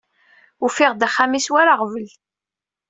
Ufiɣ-d axxam-is war aɣbel.